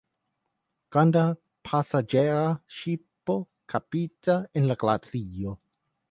Granda pasaĝera ŝipo kaptita en la glacio.